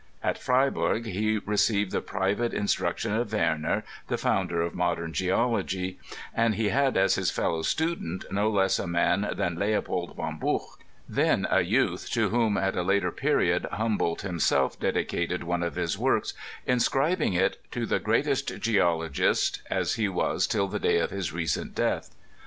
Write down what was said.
At Freyberg he received the private in struction of Werner, the founder of Modern Geology, and he had as his fellow student no less a man than Leopold von Buch, then a youth, to whom, at a later period, Humboldt himself dedicated one of his works, inscribing it " to the greatest geolo gist," as he was till the day of his recent death.